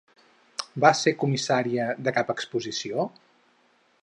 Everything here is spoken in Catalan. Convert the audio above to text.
Va ser comissaria de cap exposició?